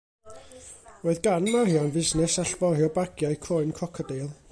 Roedd gan Marian fusnes allforio bagiau croen crocodeil.